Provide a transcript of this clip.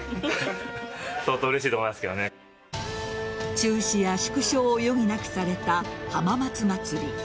中止や縮小を余儀なくされた浜松まつり。